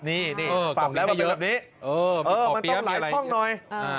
นี่ปรับแล้วมันต้องหลายช่องหน่อย